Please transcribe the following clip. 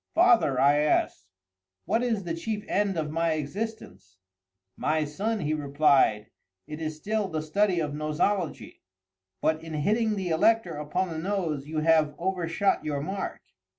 "Father," I asked, "what is the chief end of my existence?" "My son," he replied, "it is still the study of Nosology; but in hitting the Elector upon the nose you have overshot your mark.